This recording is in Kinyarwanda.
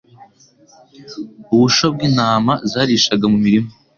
Ubusho bwintama zarishaga mumirima.